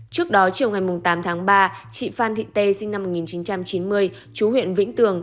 trước đó chiều ngày tám tháng ba chị phan thị tê sinh năm một nghìn chín trăm chín mươi chú huyện vĩnh tường